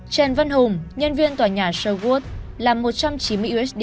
trần văn hùng nhân viên tòa nhà sherwood làm một trăm chín mươi usd